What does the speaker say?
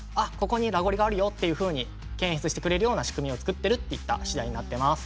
ここにラゴリがあるよというふうに検出してくれるような仕組みを作ってるといった次第になってます。